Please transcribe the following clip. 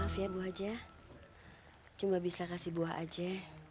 maaf ya bu haja cuma bisa kasih buah aja